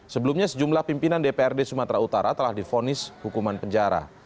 sebelumnya sejumlah pimpinan dprd sumatera utara telah difonis hukuman penjara